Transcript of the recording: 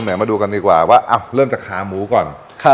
ไหนมาดูกันดีกว่าว่าอ้าวเริ่มจากขาหมูก่อนครับ